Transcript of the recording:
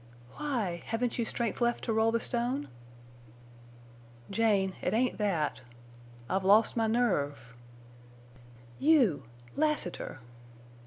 "Why? Haven't you strength left to roll the stone?" "Jane—it ain't that—I've lost my nerve!" "You!... Lassiter!"